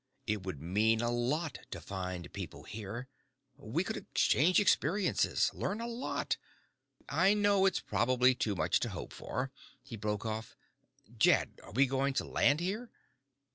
"It would mean a lot to find people here. We could exchange experiences, learn a lot. I know it's probably too much to hope for." He broke off. "Jed, are we going to land here?"